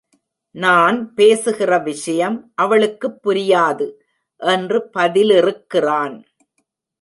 நான் பேசுகிற விஷயம் அவளுக்குப் புரியாது! என்று பதிலிறுக்கிறான்.